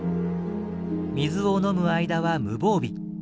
水を飲む間は無防備。